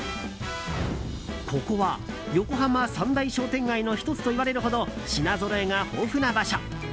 ここは横浜三大商店街の１つといわれるほど品ぞろえが豊富な場所。